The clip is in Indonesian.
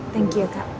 thank you kak